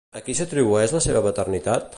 A qui s'atribueix la seva paternitat?